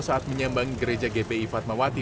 saat menyambang gereja gpi fatmawati